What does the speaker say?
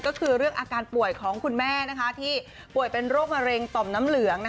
ก็คือเรื่องอาการป่วยของคุณแม่ที่ป่วยเป็นโรคมะเร็งต่อมน้ำเหลือง